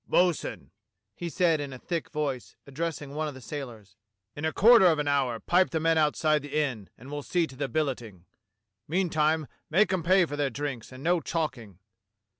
"Bo'sun," he said in a thick voice, addressing one of the sailors, "in a quarter of an hour pipe the men out side the inn, and we'll see to the billeting. Meantime make 'em pay for their drinks and no chalking.